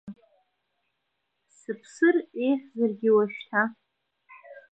Сыԥсыр, еиӷьзаргьы уашьҭа…